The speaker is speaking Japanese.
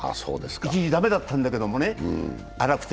一時、だめだったんだけれどもね、粗くて。